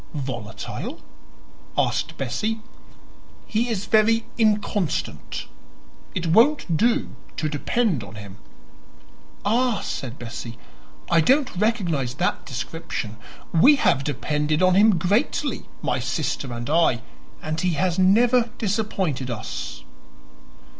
"Volatile?" asked Bessie. "He is very inconstant. It won't do to depend on him." "Ah," said Bessie, "I don't recognize that description. We have depended on him greatly my sister and I and he has never disappointed us."